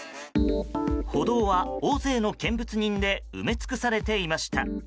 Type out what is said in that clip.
歩道は、大勢の見物人で埋め尽くされていました。